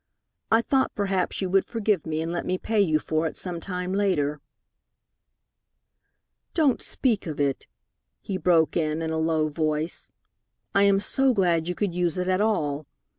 I thought perhaps you would forgive me, and let me pay you for it some time later." "Don't speak of it," he broke in, in a low voice. "I am so glad you could use it at all.